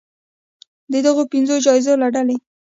د دغو پنځو جایزو له ډلې